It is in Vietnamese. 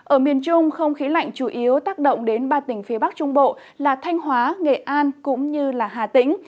ở miền trung không khí lạnh chủ yếu tác động đến ba tỉnh phía bắc trung bộ là thanh hóa nghệ an cũng như hà tĩnh